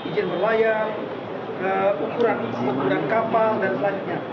ijen berlayar ukuran kapal dan selanjutnya